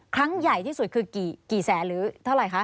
ครั้งใหญ่ที่สุดคือกี่แสนหรือเท่าไหร่คะ